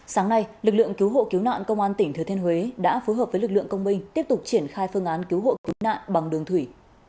sáng nay lực lượng cứu hộ cứu nạn công an tỉnh thừa thiên huế đã phối hợp với lực lượng công binh tiếp tục triển khai phương án cứu hộ cứu nạn bằng đường thủy